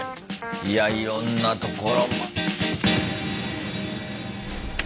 いやいろんなところ。